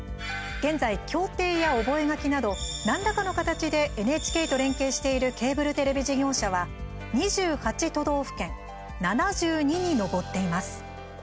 現在、協定や覚え書きなど何らかの形でＮＨＫと連携しているケーブルテレビ事業者は２８都道府県７２に上っています。